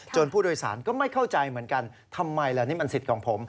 ผู้โดยสารก็ไม่เข้าใจเหมือนกันทำไมล่ะนี่มันสิทธิ์ของผม